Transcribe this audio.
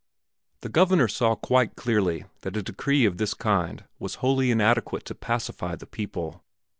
The Governor saw clearly that a decree of this kind was wholly inadequate to pacify the people.